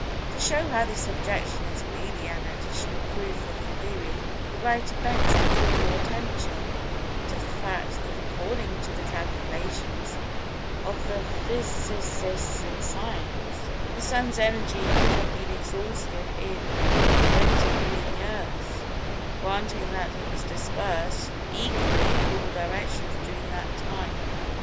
To show how this objection is really an additional proof of the Theory the writer begs to call your attention to the fact that according to the calculations of the physicists in Science, the Sun's energy would have been exhausted in 20,000,000 years, granting that it was dispersed equally in all directions during that time.